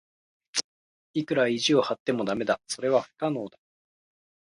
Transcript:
いくら意地を張っても駄目だ。それは不可能だ。